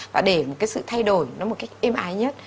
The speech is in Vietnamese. và để một cái sự thay đổi nó một cách êm ái nhất